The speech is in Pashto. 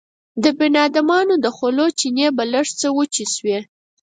د بنيادمانو د خولو چينې به لږ څه وچې شوې.